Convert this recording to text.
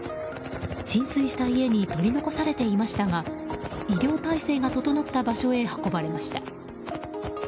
浸水した家に取り残されていましたが医療体制が整った場所へ運ばれました。